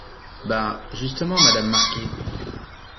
Ben… justement Madame Marquet.